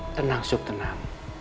tenang yusuf tenang